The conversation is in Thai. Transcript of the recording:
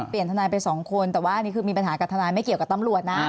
ทนายไปสองคนแต่ว่าอันนี้คือมีปัญหากับทนายไม่เกี่ยวกับตำรวจนะ